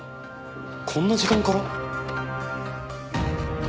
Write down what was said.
こんな時間から？